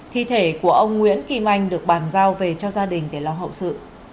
thi thể của ông nguyễn kim anh được bàn giao về cho gia đình để lo hậu sự